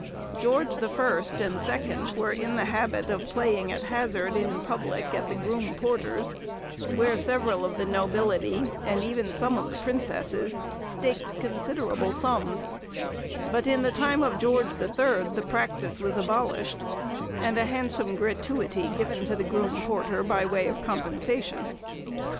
George the First and Second were in the habit of playing at hazard in public at the groom porter's, where several of the nobility, and even some of the princesses, staked considerable sums; but in the time of George the Third the practice was abolished, and a handsome gratuity given to the groom porter by way of compensation.